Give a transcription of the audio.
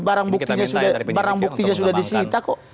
bukti barang buktinya sudah disita kok